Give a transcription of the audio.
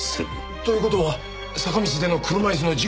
という事は坂道での車椅子の事故は。